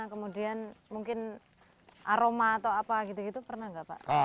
kemudian mungkin aroma atau apa gitu gitu pernah nggak pak